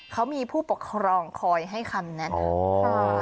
เขามีผู้ปกครองคอยให้คำแนะนำ